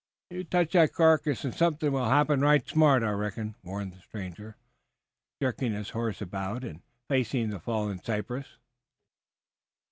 "You touch that carcass and something will happen right smart, I reckon," warned the stranger, jerking his horse about and facing the fallen cypress.